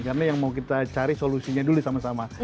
karena yang mau kita cari solusinya dulu sama sama